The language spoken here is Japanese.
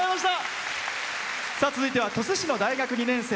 続いては鳥栖市の大学２年生。